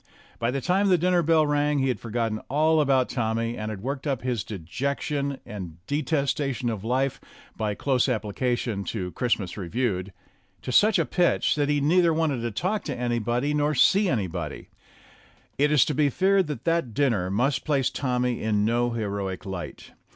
By the time that the dinner bell rang, he had forgotten all about Tommy, and had worked up his dejection and detestation of life (by close applica tion to "Christmas Reviewed") to such a pitch that he neither wanted to talk to anybody nor see anybody. It is to be feared that that dinner must place Tommy in no heroic light.